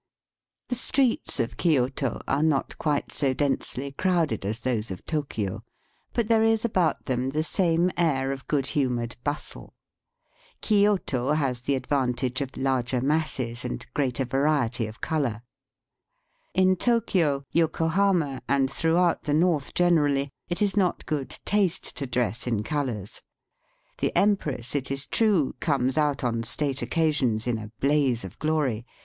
The streets of Kioto are not quite so densely crowded as those of Tokio, but there is about them the same air of good humoured Digitized by VjOOQIC J THE CAPITAL OP THE MIKADOS. 61 hustle. Kioto has the advantage of larger masses and greater variety of colour. In Tokio, Yokohama, and throughout the north generally, it is not good taste to dress in colours. The empress, it is true, comes out on state occasions in a blaze of glory.